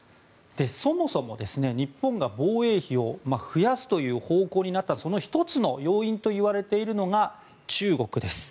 そもそも日本が防衛費を増やすという方向になったその１つの要因といわれているのが中国です。